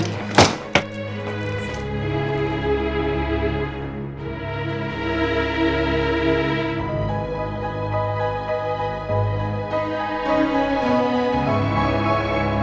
umi aida jangan